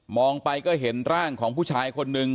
องไปก็เห็นร่างของผู้ชายคนหนึ่ง